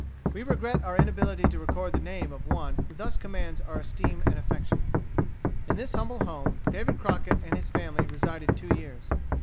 We regret our inability to record the name of one who thus commands our esteem and affection. In this humble home, David Crockett and his family resided two years.